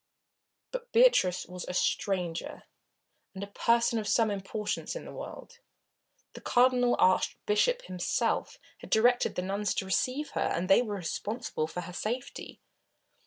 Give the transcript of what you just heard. But Beatrice was a stranger and a person of some importance in the world. The Cardinal Archbishop himself had directed the nuns to receive her, and they were responsible for her safety.